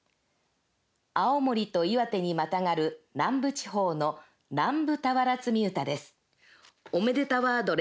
青森と岩手にまたがる南部地方の「南部俵積唄」です。